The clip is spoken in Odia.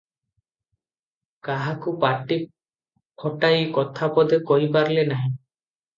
କାହାକୁ ପାଟି-ଫଟାଇ କଥାପଦେ କହିପାରିଲେ ନାହିଁ ।